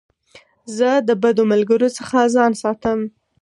زه د بدو ملګرو څخه ځان ساتم.